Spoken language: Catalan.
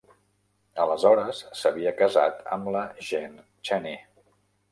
Aleshores, s'havia casat amb la Jane Cheney.